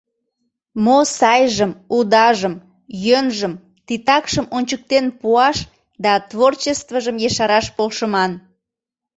Мо сайжым, удажым, йӧнжым, титакшым ончыктен пуаш да творчествыжым ешараш полшыман.